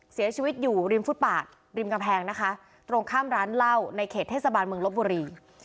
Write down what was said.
เสียชีวิตอยู่ริมฟุตบาทริมกำแพงนะคะตรงข้ามร้านเหล้าในเขตเทศบาลเมืองลบบุรี